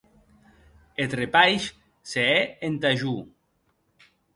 Eth repaish se hè entà jo.